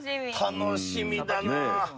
楽しみだな。ねぇ。